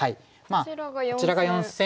こちらが四線。